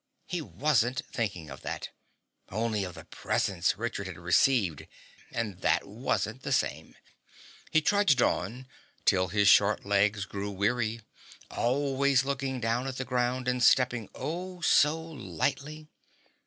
He wasn't thinking of that only of the presents Richard had received, and that wasn't the same! He trudged on till his short legs grew weary, always looking down at the ground and stepping, oh, so lightly!